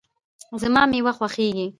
زما مېوه خوښیږي